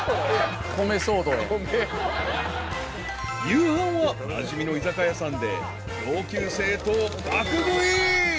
［夕飯はなじみの居酒屋さんで同級生と爆食い］